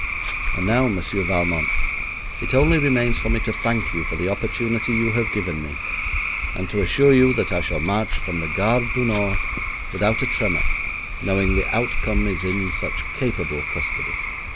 And now, Monsieur Valmont, it only remains for me to thank you for the opportunity you have given me, and to assure you that I shall march from the Gare du Nord without a tremor, knowing the outcome is in such capable custody.'